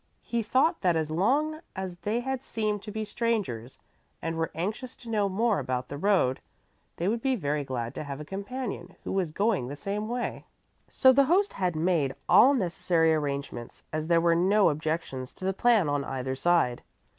He thought that as long as they had seemed to be strangers and were anxious to know more about the road, they would be very glad to have a companion who was going the same way. So the host had made all necessary arrangements, as there were no objections to the plan on either side.